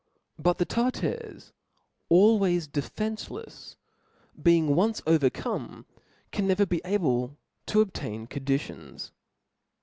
But the Tartars always defencelefs, being once overcome, can never be' able to obtain conditions.